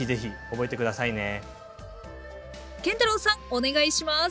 お願いします！